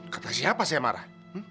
kata siapa saya marah